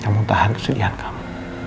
kamu tahan kesedihan kamu